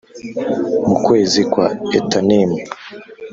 Mu kwezi kwa Etanimu